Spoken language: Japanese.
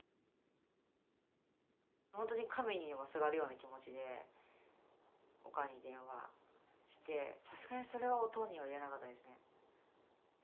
ほんとに神にもすがるような気持ちでおかんに電話してさすがにそれはおとんには言えなかったですね。